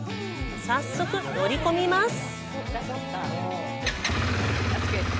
早速、乗り込みます！